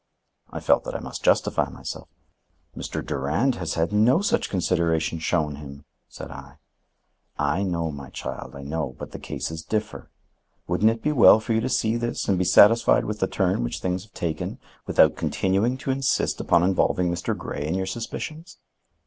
I felt that I must justify myself. "Mr. Durand has had no such consideration shown him," said I. "I know, my child, I know; but the cases differ. Wouldn't it be well for you to see this and be satisfied with the turn which things have taken, without continuing to insist upon involving Mr. Grey in your suspicions?"